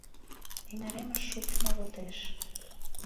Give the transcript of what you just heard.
Эҥыремыш шупшмо вотеш